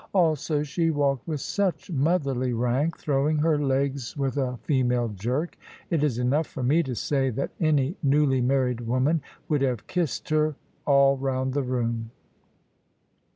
Also she walked with such motherly rank, throwing her legs with a female jerk it is enough for me to say that any newly married woman would have kissed her all round the room.